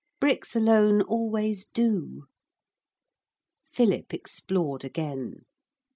Bricks alone always do. Philip explored again.